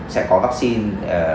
sẽ có vaccine